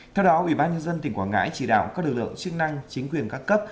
theo đó ủy ban nhân dân tỉnh quảng ngãi chỉ đạo các lực lượng chức năng chính quyền các cấp